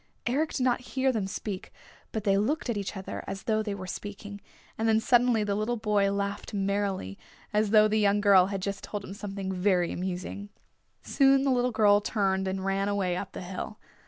Eric did not hear them speak, but they looked at each other as though they were speaking, and then suddenly the little boy laughed merrily, as though the young girl had just told him something very amusing. Soon the girl turned and ran away up the hill.